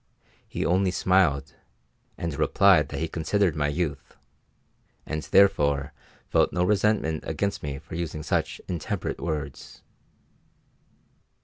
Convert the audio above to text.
He only smiled and replied that he considered my youth, and therefore felt no resentment against me for using such intemperate words.